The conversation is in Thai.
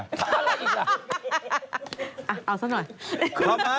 เอาซะหน่อย